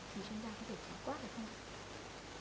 thì chúng ta có thể kháo quát được không ạ